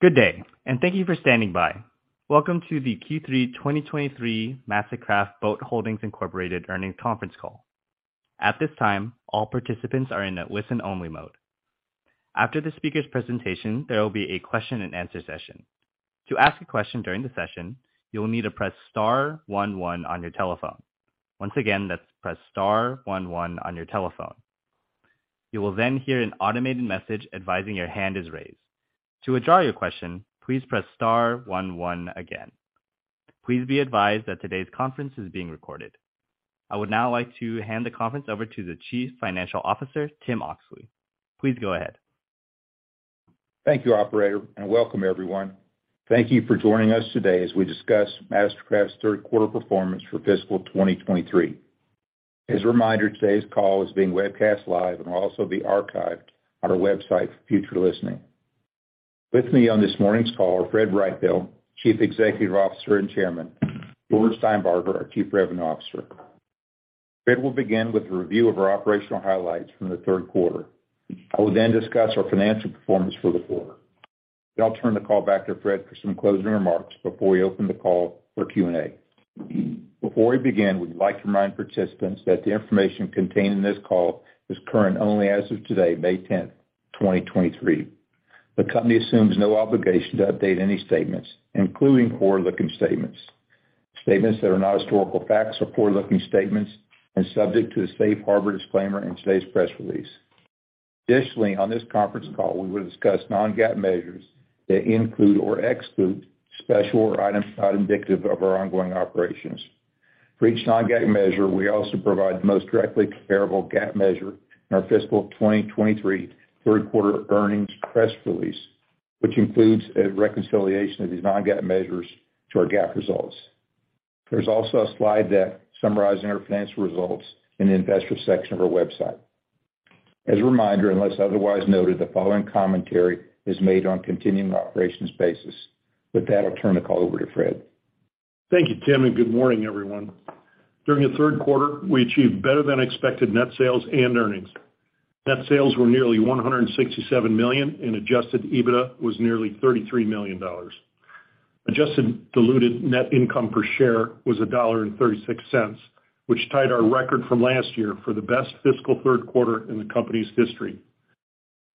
Good day. Thank you for standing by. Welcome to the Q3 2023 MasterCraft Boat Holdings, Inc. Earnings Conference Call. At this time, all participants are in a listen-only mode. After the speaker's presentation, there will be a question-and-answer session. To ask a question during the session, you will need to press star one one on your telephone. Once again, that's press star one one on your telephone. You will hear an automated message advising your hand is raised. To withdraw your question, please press star one one again. Please be advised that today's conference is being recorded. I would now like to hand the conference over to the Chief Financial Officer, Tim Oxley. Please go ahead. Thank you, operator, welcome, everyone. Thank you for joining us today as we discuss MasterCraft's 3rd quarter performance for fiscal 2023. As a reminder, today's call is being webcast live and will also be archived on our website for future listening. With me on this morning's call are Fred Brightbill, Chief Executive Officer and Chairman, George Steinbarger, our Chief Revenue Officer. Fred will begin with a review of our operational highlights from the 3rd quarter. I will discuss our financial performance for the quarter. I'll turn the call back to Fred for some closing remarks before we open the call for Q&A. Before we begin, we'd like to remind participants that the information contained in this call is current only as of today, May 10, 2023. The company assumes no obligation to update any statements, including forward-looking statements. Statements that are not historical facts are forward-looking statements and subject to the safe harbor disclaimer in today's press release. Additionally, on this conference call, we will discuss non-GAAP measures that include or exclude special items not indicative of our ongoing operations. For each non-GAAP measure, we also provide the most directly comparable GAAP measure in our fiscal 2023 third quarter earnings press release, which includes a reconciliation of these non-GAAP measures to our GAAP results. There's also a slide deck summarizing our financial results in the investor section of our website. As a reminder, unless otherwise noted, the following commentary is made on continuing operations basis. With that, I'll turn the call over to Fred. Thank you, Tim, and good morning, everyone. During the third quarter, we achieved better-than-expected net sales and earnings. Net sales were nearly $167 million, and adjusted EBITDA was nearly $33 million. Adjusted diluted net income per share was $1.36, which tied our record from last year for the best fiscal third quarter in the company's history.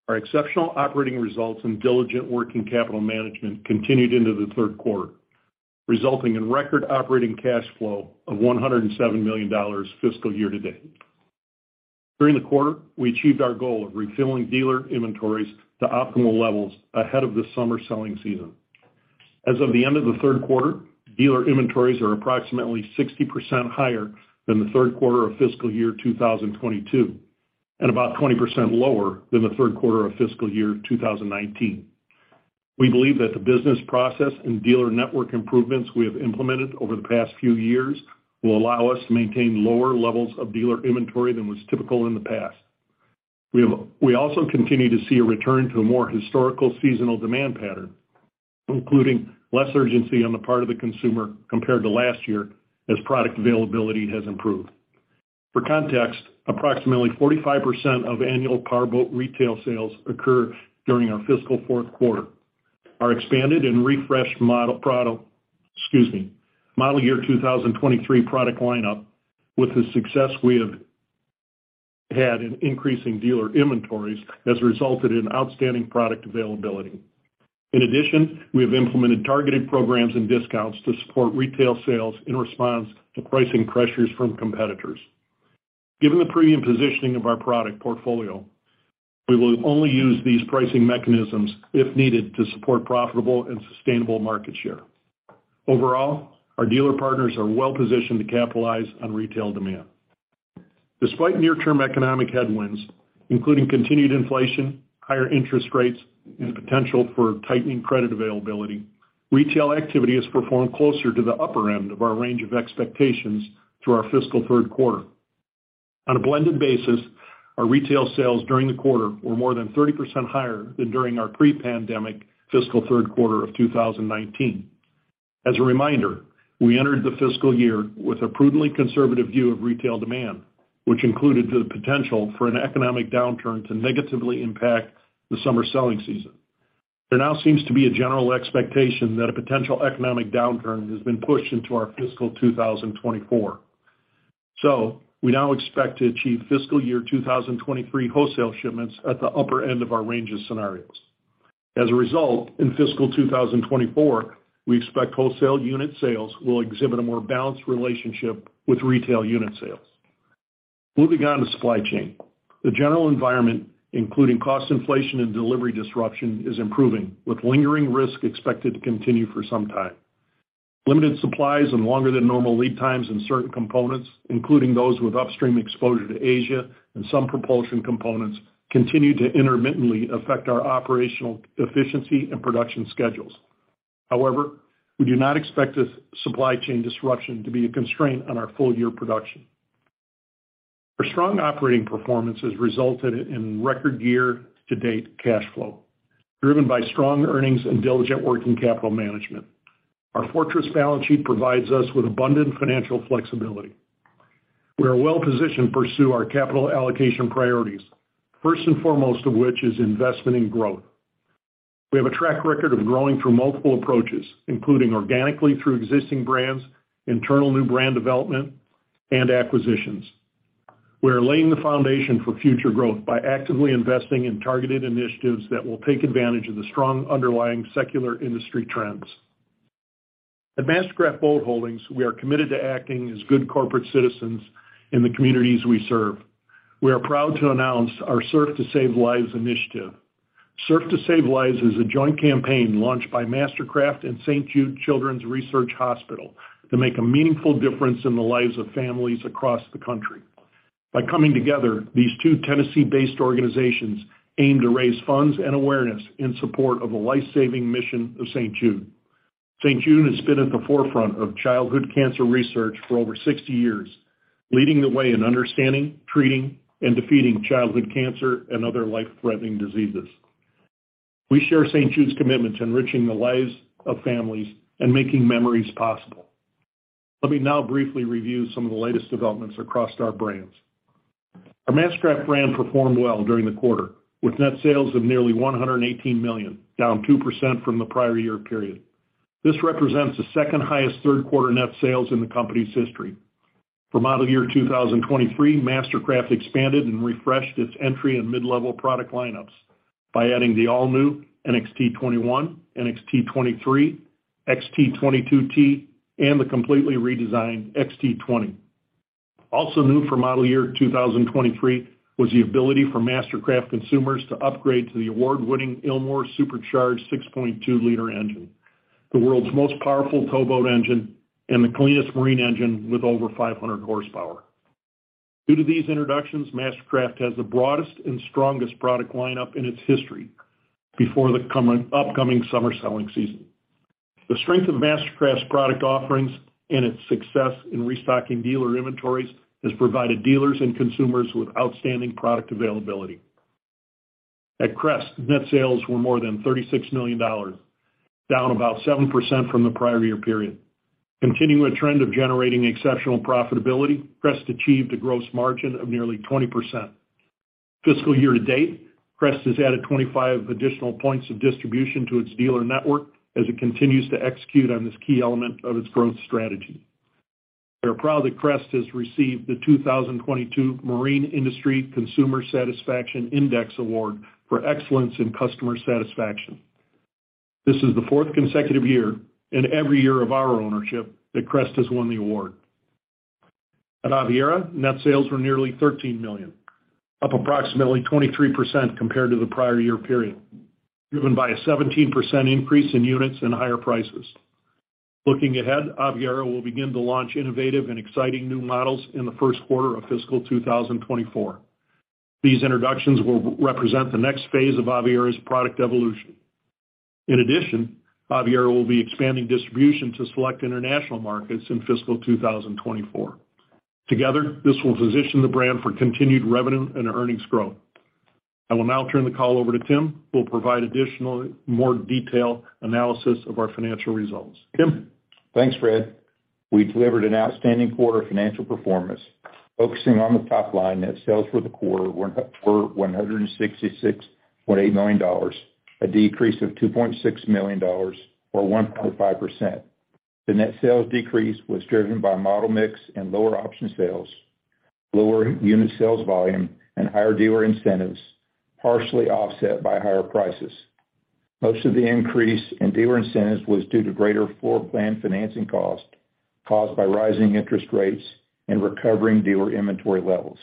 Our exceptional operating results and diligent working capital management continued into the third quarter, resulting in record operating cash flow of $107 million fiscal year to date. During the quarter, we achieved our goal of refilling dealer inventories to optimal levels ahead of the summer selling season. As of the end of the third quarter, dealer inventories are approximately 60% higher than the third quarter of fiscal year 2022, and about 20% lower than the third quarter of fiscal year 2019. We believe that the business process and dealer network improvements we have implemented over the past few years will allow us to maintain lower levels of dealer inventory than was typical in the past. We also continue to see a return to a more historical seasonal demand pattern, including less urgency on the part of the consumer compared to last year as product availability has improved. For context, approximately 45% of annual power boat retail sales occur during our fiscal fourth quarter. Our expanded and refreshed model product, excuse me, model year 2023 product lineup with the success we have had in increasing dealer inventories has resulted in outstanding product availability. We have implemented targeted programs and discounts to support retail sales in response to pricing pressures from competitors. Given the premium positioning of our product portfolio, we will only use these pricing mechanisms if needed to support profitable and sustainable market share. Our dealer partners are well-positioned to capitalize on retail demand. Despite near-term economic headwinds, including continued inflation, higher interest rates, and potential for tightening credit availability, retail activity has performed closer to the upper end of our range of expectations through our fiscal third quarter. Our retail sales during the quarter were more than 30% higher than during our pre-pandemic fiscal third quarter of 2019. As a reminder, we entered the fiscal year with a prudently conservative view of retail demand, which included the potential for an economic downturn to negatively impact the summer selling season. There now seems to be a general expectation that a potential economic downturn has been pushed into our fiscal 2024. We now expect to achieve fiscal year 2023 wholesale shipments at the upper end of our range of scenarios. As a result, in fiscal 2024, we expect wholesale unit sales will exhibit a more balanced relationship with retail unit sales. Moving on to supply chain. The general environment, including cost inflation and delivery disruption, is improving, with lingering risk expected to continue for some time. Limited supplies and longer than normal lead times in certain components, including those with upstream exposure to Asia and some propulsion components, continue to intermittently affect our operational efficiency and production schedules. We do not expect this supply chain disruption to be a constraint on our full year production. Our strong operating performance has resulted in record year-to-date cash flow, driven by strong earnings and diligent working capital management. Our fortress balance sheet provides us with abundant financial flexibility. We are well positioned to pursue our capital allocation priorities, first and foremost of which is investment in growth. We have a track record of growing through multiple approaches, including organically through existing brands, internal new brand development, and acquisitions. We are laying the foundation for future growth by actively investing in targeted initiatives that will take advantage of the strong underlying secular industry trends. At MasterCraft Boat Holdings, we are committed to acting as good corporate citizens in the communities we serve. We are proud to announce our Surf to Save Lives initiative. Surf to Save Lives is a joint campaign launched by MasterCraft and St. Jude Children's Research Hospital to make a meaningful difference in the lives of families across the country. By coming together, these two Tennessee-based organizations aim to raise funds and awareness in support of the life-saving mission of St. Jude. St. Jude has been at the forefront of childhood cancer research for over 60 years, leading the way in understanding, treating, and defeating childhood cancer and other life-threatening diseases. We share St. Jude's commitment to enriching the lives of families and making memories possible. Let me now briefly review some of the latest developments across our brands. Our MasterCraft brand performed well during the quarter, with net sales of nearly $118 million, down 2% from the prior year period. This represents the second-highest third quarter net sales in the company's history. For model year 2023, MasterCraft expanded and refreshed its entry and mid-level product lineups by adding the all-new NXT21, NXT23, XT22 T, and the completely redesigned XT20. New for model year 2023 was the ability for MasterCraft consumers to upgrade to the award-winning Ilmor Supercharged 6.2L Engine, the world's most powerful towboat engine and the cleanest marine engine with over 500 horsepower. Due to these introductions, MasterCraft has the broadest and strongest product lineup in its history before the upcoming summer selling season. The strength of MasterCraft's product offerings and its success in restocking dealer inventories has provided dealers and consumers with outstanding product availability. At Crest, net sales were more than $36 million, down about 7% from the prior year period. Continuing a trend of generating exceptional profitability, Crest achieved a gross margin of nearly 20%. Fiscal year to date, Crest has added 25 additional points of distribution to its dealer network as it continues to execute on this key element of its growth strategy. We are proud that Crest has received the 2022 Marine Industry Customer Satisfaction Index Award for excellence in customer satisfaction. This is the fourth consecutive year, in every year of our ownership, that Crest has won the award. At Aviara, net sales were nearly $13 million, up approximately 23% compared to the prior year period, driven by a 17% increase in units and higher prices. Looking ahead, Aviara will begin to launch innovative and exciting new models in the first quarter of fiscal 2024. These introductions will represent the next phase of Aviara's product evolution. In addition, Aviara will be expanding distribution to select international markets in fiscal 2024. Together, this will position the brand for continued revenue and earnings growth. I will now turn the call over to Tim, who will provide additional more detailed analysis of our financial results. Tim? Thanks, Fred. We delivered an outstanding quarter of financial performance. Focusing on the top line, net sales for the quarter were $166.8 million, a decrease of $2.6 million or 1.5%. The net sales decrease was driven by model mix and lower option sales, lower unit sales volume, and higher dealer incentives, partially offset by higher prices. Most of the increase in dealer incentives was due to greater floor plan financing costs caused by rising interest rates and recovering dealer inventory levels.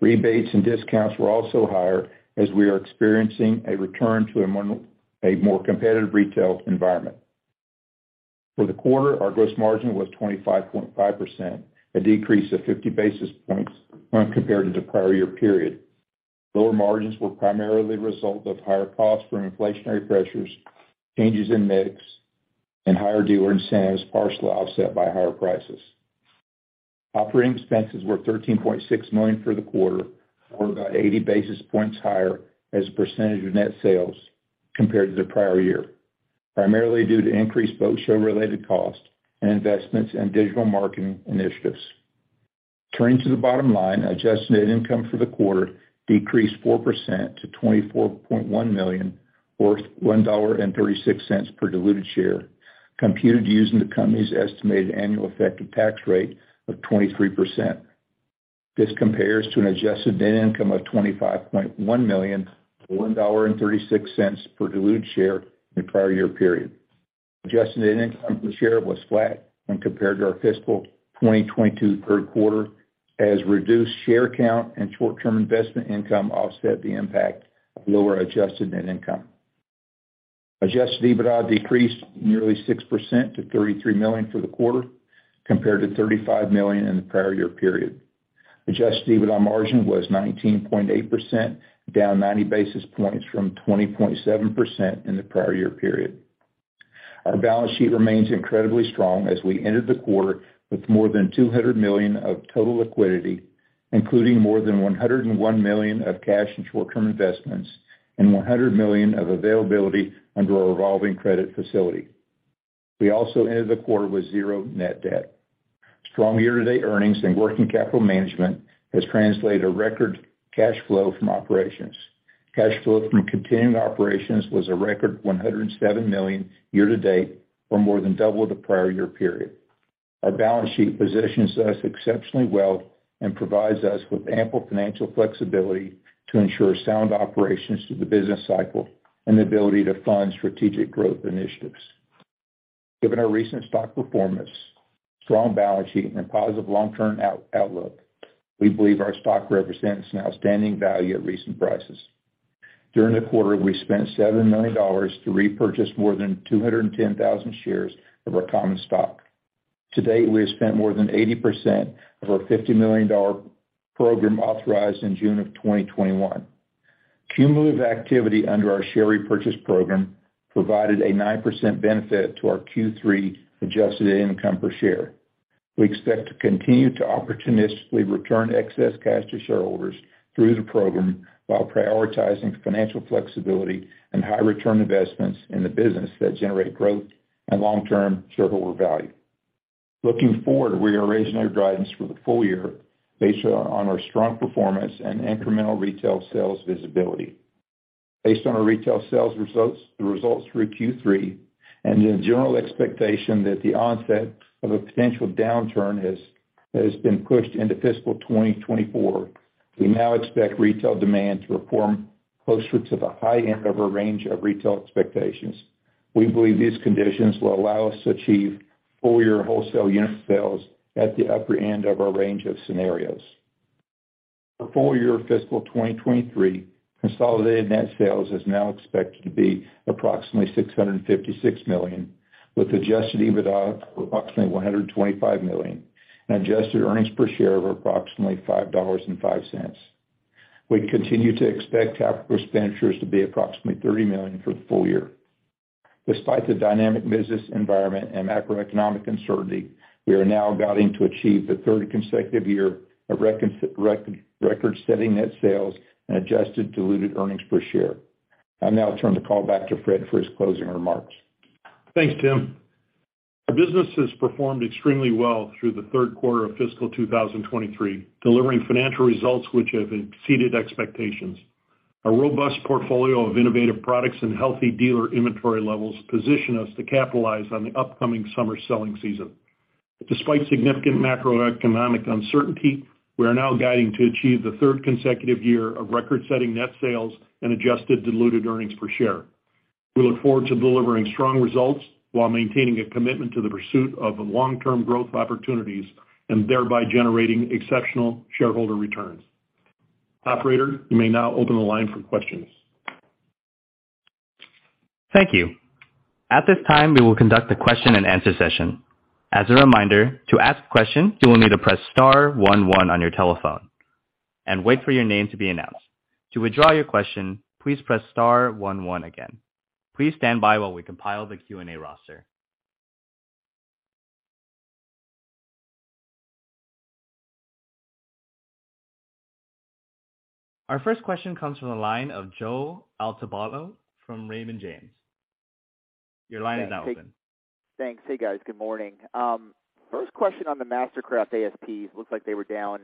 Rebates and discounts were also higher as we are experiencing a return to a more competitive retail environment. For the quarter, our gross margin was 25.5%, a decrease of 50 basis points when compared to the prior year period. Lower margins were primarily the result of higher costs from inflationary pressures, changes in mix, and higher dealer incentives, partially offset by higher prices. Operating expenses were $13.6 million for the quarter, or about 80 basis points higher as a percentage of net sales compared to the prior year, primarily due to increased boat show-related costs and investments in digital marketing initiatives. Turning to the bottom line, adjusted net income for the quarter decreased 4% to $24.1 million or $1.36 per diluted share, computed using the company's estimated annual effective tax rate of 23%. This compares to an adjusted net income of $25.1 million, or $1.36 per diluted share in the prior year period. adjusted net income per share was flat when compared to our fiscal 2022 third quarter, as reduced share count and short-term investment income offset the impact of lower adjusted net income. adjusted EBITDA decreased nearly 6% to $33 million for the quarter, compared to $35 million in the prior year period. adjusted EBITDA margin was 19.8%, down 90 basis points from 20.7% in the prior year period. Our balance sheet remains incredibly strong as we ended the quarter with more than $200 million of total liquidity, including more than $101 million of cash and short-term investments and $100 million of availability under our revolving credit facility. We also ended the quarter with zero net debt. Strong year-to-date earnings and working capital management has translated a record cash flow from operations. Cash flow from continuing operations was a record $107 million year-to-date, or more than double the prior year period. Our balance sheet positions us exceptionally well and provides us with ample financial flexibility to ensure sound operations through the business cycle and the ability to fund strategic growth initiatives. Given our recent stock performance, strong balance sheet and positive long-term outlook, we believe our stock represents an outstanding value at recent prices. During the quarter, we spent $7 million to repurchase more than 210,000 shares of our common stock. To date, we have spent more than 80% of our $50 million program authorized in June 2021. Cumulative activity under our share repurchase program provided a 9% benefit to our Q3 adjusted income per share. We expect to continue to opportunistically return excess cash to shareholders through the program while prioritizing financial flexibility and high return investments in the business that generate growth and long-term shareholder value. Looking forward, we are raising our guidance for the full year based on our strong performance and incremental retail sales visibility. Based on our retail sales results, the results through Q3 and the general expectation that the onset of a potential downturn has been pushed into fiscal 2024, we now expect retail demand to perform closer to the high end of our range of retail expectations. We believe these conditions will allow us to achieve full year wholesale unit sales at the upper end of our range of scenarios. For full year fiscal 2023, consolidated net sales is now expected to be approximately $656 million, with adjusted EBITDA of approximately $125 million and adjusted earnings per share of approximately $5.05. We continue to expect capital expenditures to be approximately $30 million for the full year. Despite the dynamic business environment and macroeconomic uncertainty, we are now guiding to achieve the third consecutive year of record-setting net sales and adjusted diluted earnings per share. I'll now turn the call back to Fred for his closing remarks. Thanks, Tim. Our business has performed extremely well through the 3rd quarter of fiscal 2023, delivering financial results which have exceeded expectations. Our robust portfolio of innovative products and healthy dealer inventory levels position us to capitalize on the upcoming summer selling season. Despite significant macroeconomic uncertainty, we are now guiding to achieve the 3rd consecutive year of record-setting net sales and adjusted diluted earnings per share. We look forward to delivering strong results while maintaining a commitment to the pursuit of long-term growth opportunities and thereby generating exceptional shareholder returns. Operator, you may now open the line for questions. Thank you. At this time, we will conduct a question-and-answer session. As a reminder, to ask a question, you will need to press star one one on your telephone and wait for your name to be announced. To withdraw your question, please press star one one again. Please stand by while we compile the Q&A roster. Our first question comes from the line of Joe Altobello from Raymond James. Your line is now open. Thanks. Hey, guys. Good morning. First question on the MasterCraft ASPs. Looks like they were down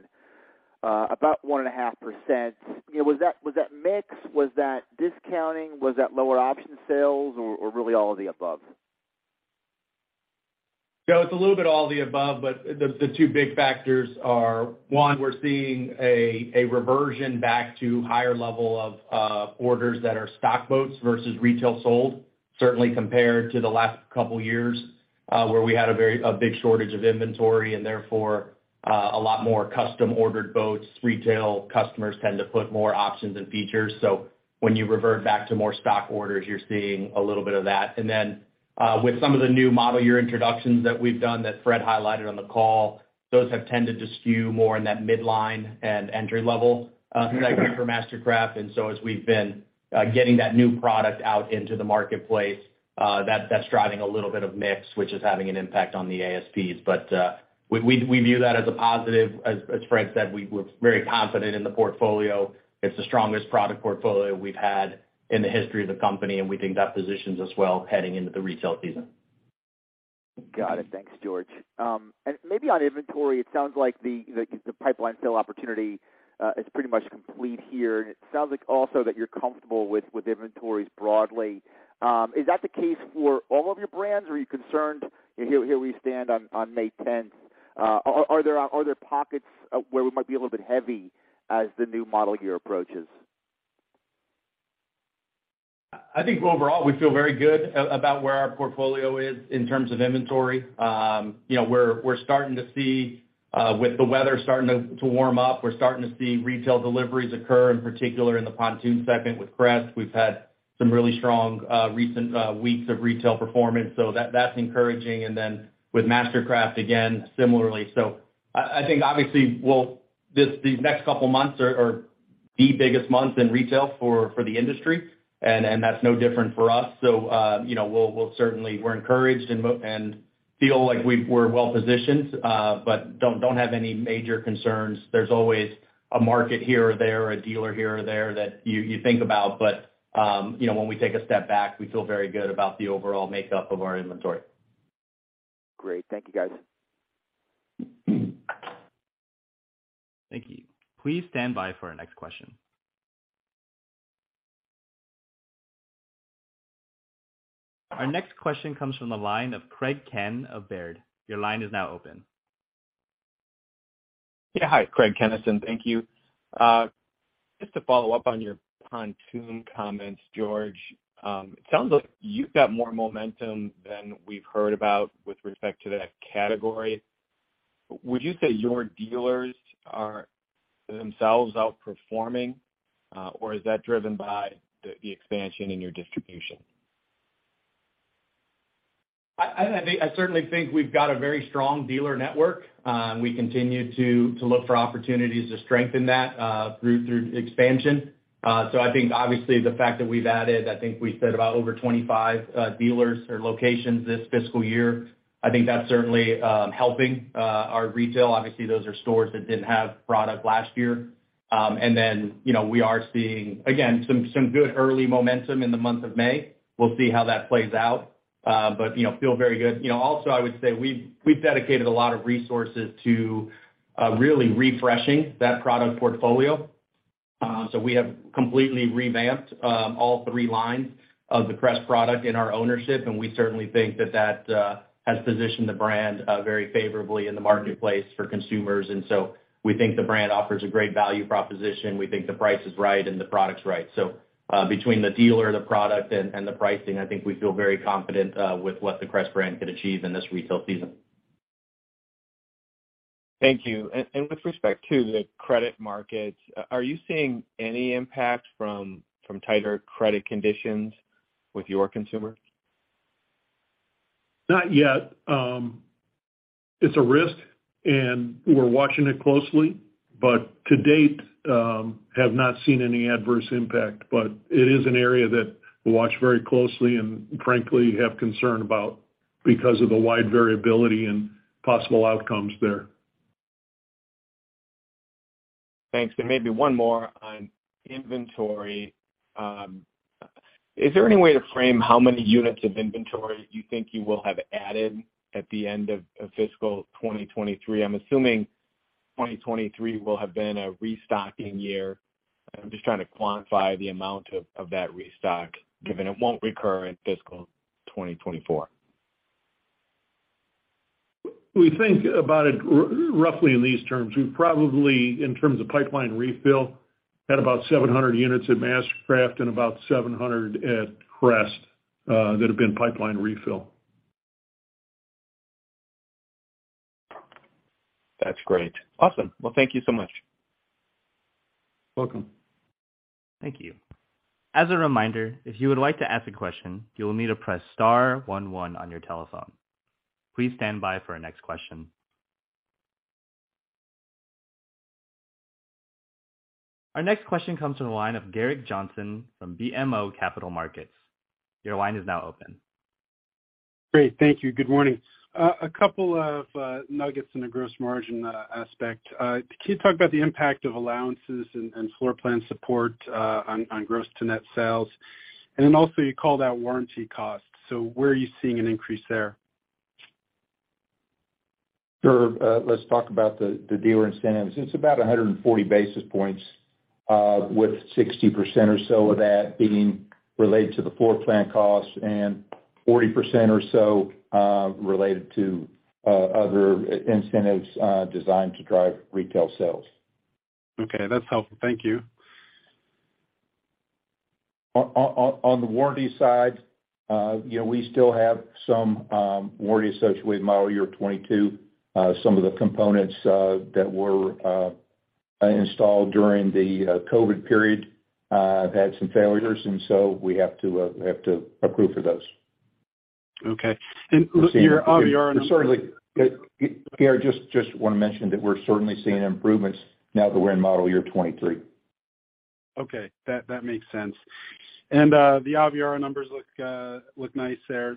about 1.5%. Was that mix? Was that discounting? Was that lower option sales or really all of the above? It's a little bit all of the above, but the two big factors are, one, we're seeing a reversion back to higher level of orders that are stock boats versus retail sold, certainly compared to the last couple years, where we had a big shortage of inventory and therefore, a lot more custom ordered boats. Retail customers tend to put more options and features. When you revert back to more stock orders, you're seeing a little bit of that. With some of the new model year introductions that we've done that Fred highlighted on the call, those have tended to skew more in that midline and entry-level segment for MasterCraft. As we've been, getting that new product out into the marketplace, that's driving a little bit of mix, which is having an impact on the ASPs. We view that as a positive. As Fred said, we're very confident in the portfolio. It's the strongest product portfolio we've had in the history of the company, and we think that positions us well heading into the retail season. Got it. Thanks, George. Maybe on inventory, it sounds like the pipeline sale opportunity is pretty much complete here. It sounds like also that you're comfortable with inventories broadly. Is that the case for all of your brands, or are you concerned here we stand on May tenth? Are there pockets where we might be a little bit heavy as the new model year approaches? I think overall we feel very good about where our portfolio is in terms of inventory. You know, we're starting to see, with the weather starting to warm up, we're starting to see retail deliveries occur, in particular in the pontoon segment with Crest. We've had some really strong, recent, weeks of retail performance, so that's encouraging. Then with MasterCraft, again, similarly. I think obviously, these next couple months are the biggest months in retail for the industry and that's no different for us. You know, we're encouraged and feel like we're well-positioned, but don't have any major concerns. There's always a market here or there, a dealer here or there that you think about.you know, when we take a step back, we feel very good about the overall makeup of our inventory. Great. Thank you, guys. Thank you. Please stand by for our next question. Our next question comes from the line of Craig Kennison of Baird. Your line is now open. Hi, Craig Kennison. Thank you. Just to follow up on your pontoon comments, George. It sounds like you've got more momentum than we've heard about with respect to that category. Would you say your dealers are themselves outperforming, or is that driven by the expansion in your distribution? I certainly think we've got a very strong dealer network. We continue to look for opportunities to strengthen that through expansion. I think obviously the fact that we've added, I think we said about over 25 dealers or locations this fiscal year, I think that's certainly helping our retail. Obviously, those are stores that didn't have product last year. You know, we are seeing, again, some good early momentum in the month of May. We'll see how that plays out. You know, feel very good. You know, also, I would say we've dedicated a lot of resources to really refreshing that product portfolio. We have completely revamped all three lines of the Crest product in our ownership, and we certainly think that that has positioned the brand very favorably in the marketplace for consumers. We think the brand offers a great value proposition. We think the price is right and the product's right. Between the dealer, the product and the pricing, I think we feel very confident with what the Crest brand could achieve in this retail season. Thank you. With respect to the credit markets, are you seeing any impact from tighter credit conditions with your consumers? Not yet. It's a risk, and we're watching it closely, but to date, have not seen any adverse impact. It is an area that we watch very closely and frankly, have concern about because of the wide variability and possible outcomes there. Thanks. Maybe one more on inventory. Is there any way to frame how many units of inventory you think you will have added at the end of fiscal 2023? I'm assuming 2023 will have been a restocking year. I'm just trying to quantify the amount of that restock, given it won't recur in fiscal 2024. We think about it roughly in these terms. We've probably, in terms of pipeline refill, had about 700 units at MasterCraft and about 700 at Crest, that have been pipeline refill. That's great. Awesome. Thank you so much. Welcome. Thank you. As a reminder, if you would like to ask a question, you will need to press star one one on your telephone. Please stand by for our next question. Our next question comes from the line of Gerrick Johnson from BMO Capital Markets. Your line is now open. Great. Thank you. Good morning. A couple of nuggets in the gross margin aspect. Can you talk about the impact of allowances and floor plan support on gross to net sales? Also, you called out warranty costs, so where are you seeing an increase there? Sure. Let's talk about the dealer incentives. It's about 140 basis points, with 60% or so of that being related to the floor plan costs and 40% or so related to other incentives designed to drive retail sales. Okay. That's helpful. Thank you. On the warranty side, you know, we still have some warranty associated model year 22. Some of the components that were installed during the COVID period have had some failures and so we have to accrue for those. Okay. your ASP- Sorry. Gerrick, just wanna mention that we're certainly seeing improvements now that we're in model year 23. Okay. That makes sense. The ASP numbers look nice there.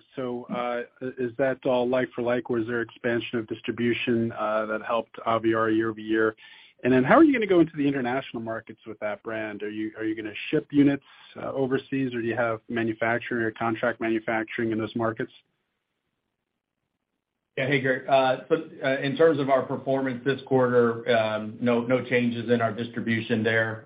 Is that all like for like, or is there expansion of distribution that helped ASP year-over-year? How are you gonna go into the international markets with that brand? Are you gonna ship units overseas, or do you have manufacturing or contract manufacturing in those markets? Yeah. Hey, Gerrick. In terms of our performance this quarter, no changes in our distribution there.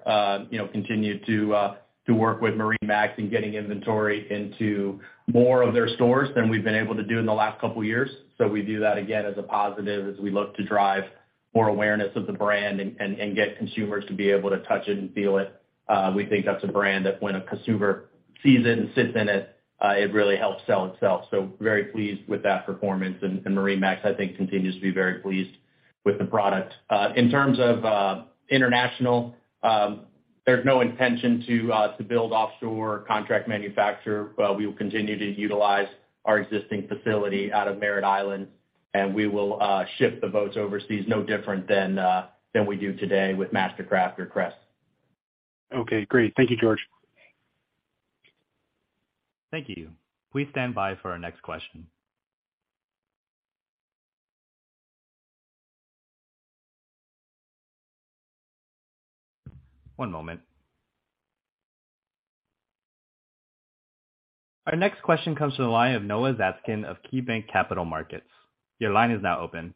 You know, continue to work with MarineMax in getting inventory into more of their stores than we've been able to do in the last couple years. We view that again as a positive as we look to drive more awareness of the brand and get consumers to be able to touch it and feel it. We think that's a brand that when a consumer sees it and sits in it really helps sell itself. Very pleased with that performance. MarineMax, I think continues to be very pleased with the product.In terms of international, there's no intention to build offshore contract manufacturer, but we will continue to utilize our existing facility out of Merritt Island, and we will ship the boats overseas no different than we do today with MasterCraft or Crest. Okay, great. Thank you, George. Thank you. Please stand by for our next question. One moment. Our next question comes from the line of Noah Zatzkin of KeyBanc Capital Markets. Your line is now open.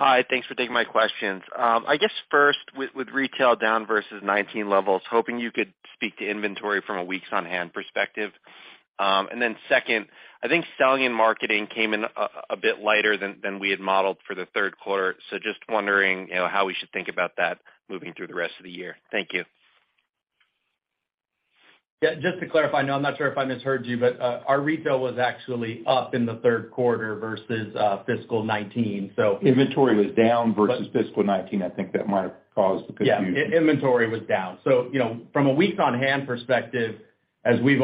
Hi. Thanks for taking my questions. I guess first, with retail down versus 19 levels, hoping you could speak to inventory from a weeks on hand perspective. Second, I think selling and marketing came in a bit lighter than we had modeled for the third quarter. Just wondering, you know, how we should think about that moving through the rest of the year. Thank you. Yeah, just to clarify, Noah, I'm not sure if I misheard you, but our retail was actually up in the third quarter versus fiscal 2019. Inventory was down versus fiscal 19. I think that might have caused the confusion. Yeah, inventory was down. You know, from a weeks on hand perspective, as we've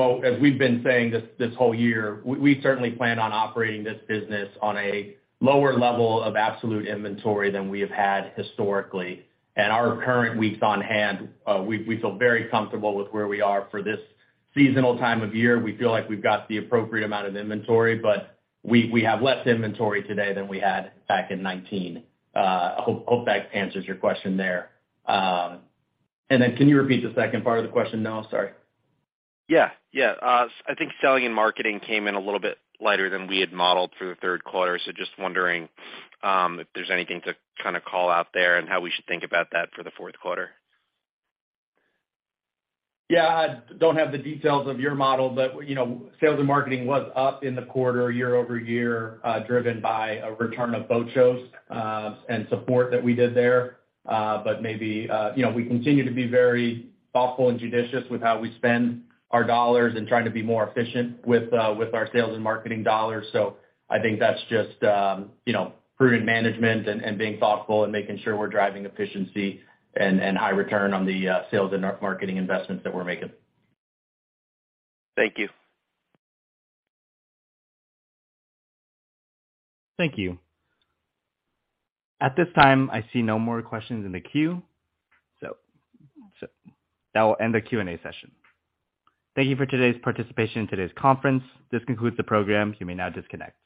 been saying this whole year, we certainly plan on operating this business on a lower level of absolute inventory than we have had historically. Our current weeks on hand, we feel very comfortable with where we are for this seasonal time of year. We feel like we've got the appropriate amount of inventory, but we have less inventory today than we had back in 2019. Hope that answers your question there. Can you repeat the second part of the question, Noah? Sorry. I think selling and marketing came in a little bit lighter than we had modeled through the third quarter. Just wondering, if there's anything to kinda call out there and how we should think about that for the fourth quarter. Yeah. Don't have the details of your model, you know, sales and marketing was up in the quarter year-over-year, driven by a return of boat shows, and support that we did there. Maybe, you know, we continue to be very thoughtful and judicious with how we spend our dollars and trying to be more efficient with our sales and marketing dollars. I think that's just, you know, prudent management and being thoughtful and making sure we're driving efficiency and high return on the sales and marketing investments that we're making. Thank you. Thank you. At this time, I see no more questions in the queue, so that will end the Q&A session. Thank you for today's participation in today's conference. This concludes the program. You may now disconnect.